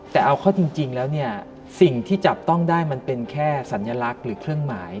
แต่เอาเข้าจริงแล้วเนี่ยสิ่งที่จับต้องได้มันเป็นแค่สัญลักษณ์หรือเครื่องหมาย